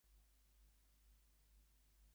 This helped him widen his range of musical tastes.